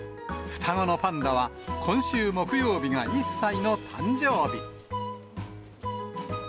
双子のパンダは、今週木曜日が１歳の誕生日。